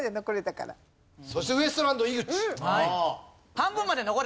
そしてウエストランド井口。